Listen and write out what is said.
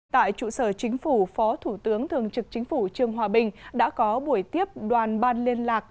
tại trụ sở chính phủ phó thủ tướng thường trực chính phủ trương hòa bình đã có buổi tiếp đoàn ban liên lạc